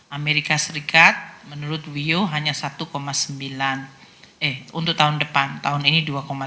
amerika serikat menurut wio hanya satu sembilan eh untuk tahun depan tahun ini dua tujuh